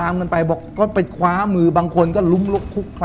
ไม่เอาลูก